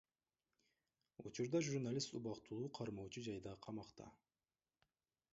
Учурда журналист убактылуу кармоочу жайда камакта.